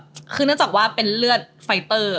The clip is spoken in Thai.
คือเนื่องจากว่าเป็นเลือดไฟเตอร์